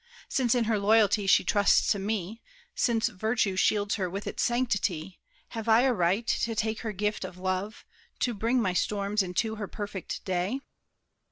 Since in her loyalty she trusts to me, Since virtue shields her with its sanctity, Have I a right to take her gift of love, To bring my storms into her perfect day?"